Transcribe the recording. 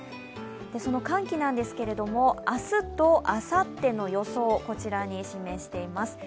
寒気なんですけれども、明日とあさっての予想を示しています。